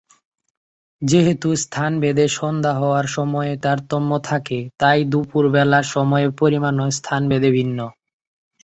যেহেতু স্থানভেদে সন্ধ্যা হওয়ার সময়ে তারতম্য থাকে তাই, দুপুর বেলার সময়ের পরিমাণও স্থানভেদে ভিন্ন।